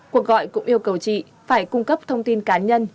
cuộc gọi cũng yêu cầu chị phải cung cấp thông tin cá nhân